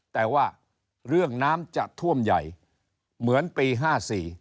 แต่ว่าเรื่องน้ำจะท่วมใหญ่เหมือนปีห้าสี่